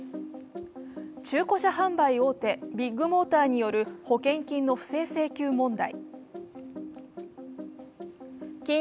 中古車販売大手・ビッグモーターによる保険金の不正請求問題。